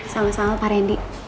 sama sama pak rendy